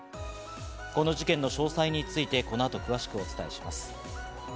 この事件の詳細について、この後、詳しくお伝えします。